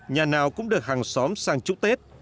nhà nào cũng được hàng xóm sang chúc tết